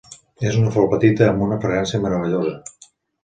És una flor petita amb una fragància meravellosa.